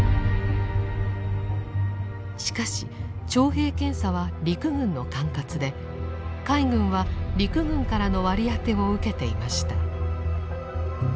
しかし徴兵検査は陸軍の管轄で海軍は陸軍からの割り当てを受けていました。